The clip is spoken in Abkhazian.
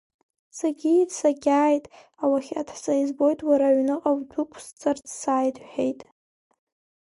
Сагьиит, сагьааит, ауахьад са избоит, уара аҩныҟа удәықәсҵарц сааит, — иҳәеит.